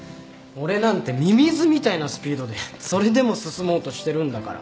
俺なんてミミズみたいなスピードでそれでも進もうとしてるんだから。